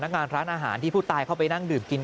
งานร้านอาหารที่ผู้ตายเข้าไปนั่งดื่มกิน